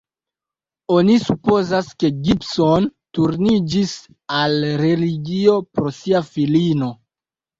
Oni supozas, ke la Gibson turniĝis al religio pro sia filino.